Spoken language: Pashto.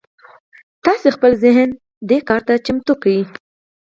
تاسې خپل ذهن دې کار ته چمتو کړئ.